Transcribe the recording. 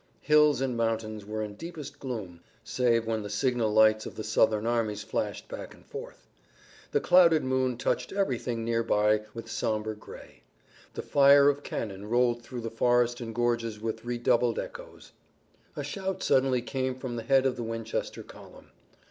Hills and mountains were in deepest gloom, save when the signal lights of the Southern armies flashed back and forth. The clouded moon touched everything nearer by with somber gray. The fire of cannon rolled through the forest and gorges with redoubled echoes. A shout suddenly came from the head of the Winchester column.